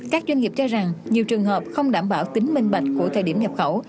các doanh nghiệp cho rằng nhiều trường hợp không đảm bảo tính minh bạch của thời điểm nhập khẩu